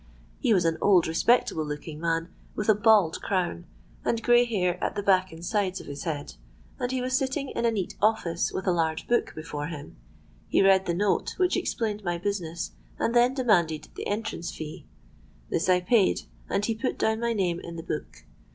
He was an old, respectable looking man, with a bold crown, and grey hair at the back and sides of his head; and he was sitting in a neat office, with a large book before him. He read the note, which explained my business, and then demanded the entrance fee. This I paid; and he put down my name in the book.